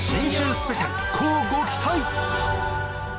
スペシャル乞うご期待